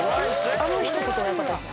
「あのひと言がよかったですね」